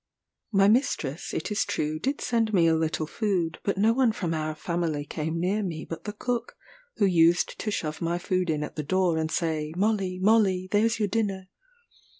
My mistress, it is true, did send me a little food; but no one from our family came near me but the cook, who used to shove my food in at the door, and say, "Molly, Molly, there's your dinner."